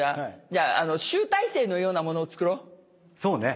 そうね。